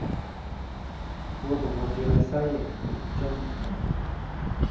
我同學住喺西營盤瑧蓺